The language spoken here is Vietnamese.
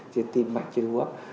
trên tin mạng trên hóa